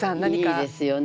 いいですよね